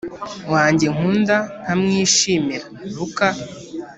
wanjye nkunda nkamwishimira Luka